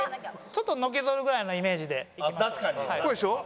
ちょっとのけぞるぐらいのイメージでいきましょう。